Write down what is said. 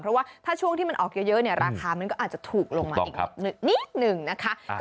เพราะว่าถ้าช่วงที่มันออกเยอะเนี่ยราคามันก็อาจจะถูกลงมาอีกนิดหนึ่งนะคะ